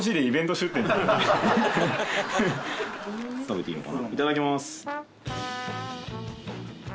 食べていいのかな？